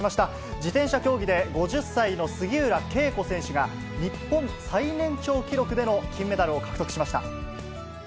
自転車競技で５０歳の杉浦佳子選手が、日本最年長記録での金メダルを獲得しました。